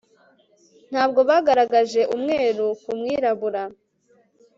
Ntabwo bagaragaje umweru ku mwirabura